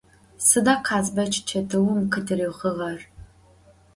Sıda Khazbeç çetıum khıtırixığer?